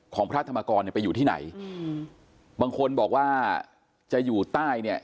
พระธรรมกรเนี่ยไปอยู่ที่ไหนอืมบางคนบอกว่าจะอยู่ใต้เนี่ย